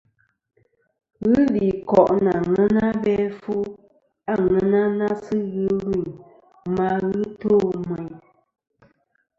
Ghɨ li koʼ nɨ aŋena abe afu, aŋena na sɨ ghɨ lvɨyn ma ghɨ to meyn.